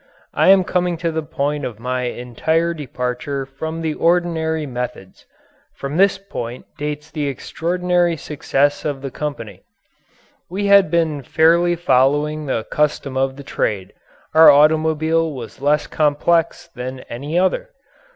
I am coming to the point of my entire departure from the ordinary methods. From this point dates the extraordinary success of the company. We had been fairly following the custom of the trade. Our automobile was less complex than any other.